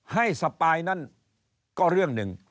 สปายนั้นก็เรื่องหนึ่ง